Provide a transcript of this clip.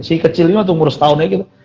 si kecil ini umur setahun aja gitu